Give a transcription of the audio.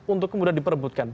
untuk mudah diperebutkan